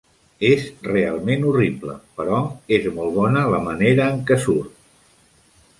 És realment horrible, però és molt bona la manera en què surt.